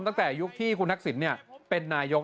ตั้งแต่ยุคที่คุณทักษิณเป็นนายก